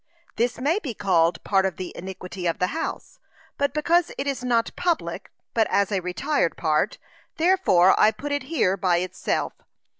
This may be called part of the iniquity of the house; but because it is not public, but as a retired part, therefore I put it here by itself.